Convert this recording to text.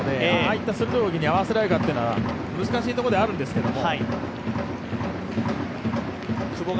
あいった鋭い動きに合わせられるかというのは難しいことではあるんですけど。